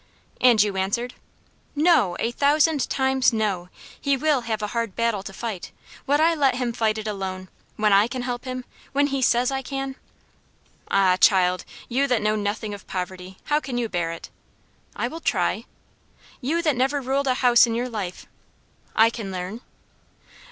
"And you answered " "No a thousand times, no! He will have a hard battle to fight would I let him fight it alone? when I can help him when he says I can." "Ah, child! you that know nothing of poverty, how can you bear it?" "I will try." "You that never ruled a house in your life " "I can learn."